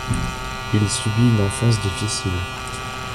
Il subit une enfance difficile.